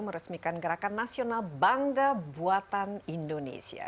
meresmikan gerakan nasional bangga buatan indonesia